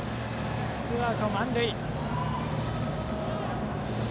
ツーアウト満塁。